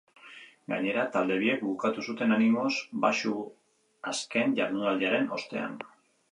Gainera, talde biek bukatu zuten animoz baxu azken jardunaldiaren ostean.